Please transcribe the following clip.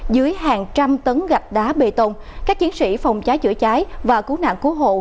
dưới hàng trăm tấn gạch đá bê tông các chiến sĩ phòng cháy chữa cháy và cứu nạn cứu hộ